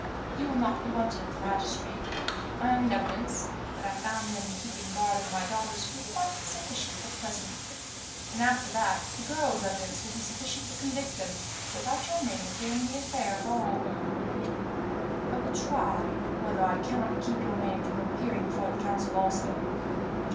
You will not be wanted at the magistracy. My own evidence, that I found them keeping guard over my daughters, will be quite sufficient for the present, and after that the girls' evidence will be sufficient to convict them, without your name appearing in the affair at all. "I will try whether I cannot keep your name from appearing before the council also.